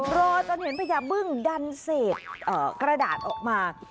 รอจนเห็นพญาบึ้งดันเศษกระดาษออกมา